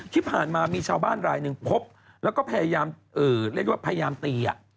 ที่ผ่านมามีชาวบ้านรายหนึ่งพบแล้วก็พยายามเรียกว่าพยายามตี